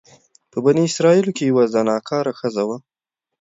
په بني اسرائيلو کي يوه زناکاره ښځه وه،